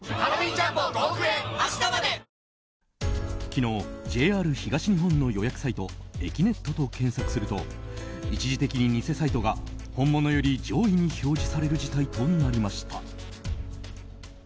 昨日、ＪＲ東日本の予約サイト「えきねっと」と検索すると一時的に、偽サイトが本物より上位に表示される事態となりました。